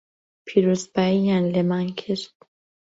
پیرۆزبایییان لێمان کرد